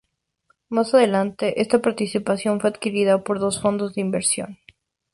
Más adelante, esta participación fue adquirida por dos fondos de inversión.